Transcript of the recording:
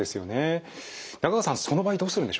中川さんその場合どうするんでしょうか？